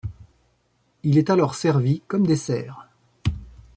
Il est alors servi comme dessert.